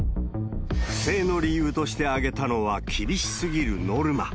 不正の理由として挙げたのは、厳しすぎるノルマ。